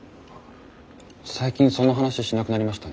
最近その話しなくなりましたね。